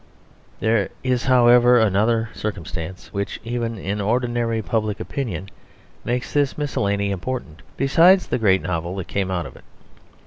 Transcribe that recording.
There is, however, another circumstance which, even in ordinary public opinion, makes this miscellany important, besides the great novel that came out of it.